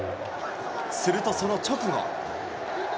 するとその直後。